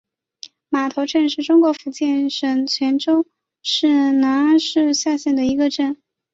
码头镇是中国福建省泉州市南安市下辖的一个镇。